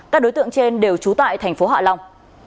các đối tượng trên đều trú tại thành phố hạ long